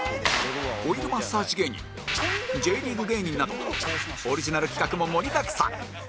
オイルマッサージ芸人 Ｊ リーグ芸人などオリジナル企画も盛りだくさん